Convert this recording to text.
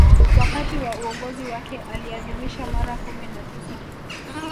Wakati wa uongozi wake aliadhimisha mara kumi na tisa